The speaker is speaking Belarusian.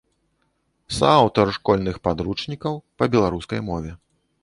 Сааўтар школьных падручнікаў па беларускай мове.